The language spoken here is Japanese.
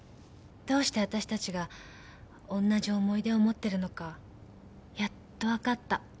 どうしてあたしたちが同じ思い出を持ってるのかやっと分かった。